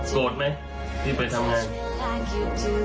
โกรธไหมที่ไปทำงาน